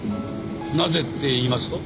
なぜっていいますと？